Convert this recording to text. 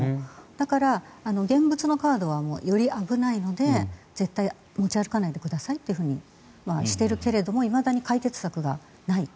だから、現物のカードはより危ないので絶対に持ち歩かないでくださいとしているけれどもいまだに解決策がない。